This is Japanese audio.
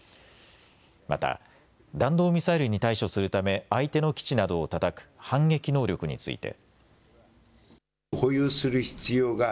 また弾道ミサイルに対処するため相手の基地などをたたく反撃能力について。